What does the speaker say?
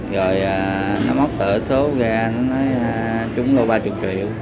rồi nó móc tờ số ra nó nói trúng lô ba mươi triệu